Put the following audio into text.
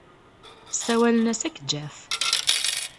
Ssawalen-as akk Jeff.